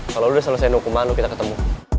kalau lo udah selesain hukuman lo kita ketemu